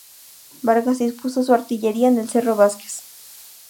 Vargas dispuso su artillería en el cerro Vásquez.